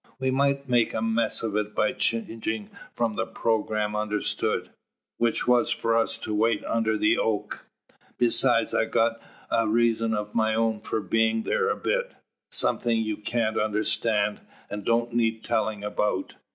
We might make a mess of it by changing from the programme understood which was for us to wait under the oak. Besides I've got a reason of my own for being there a bit something you can't understand, and don't need telling about.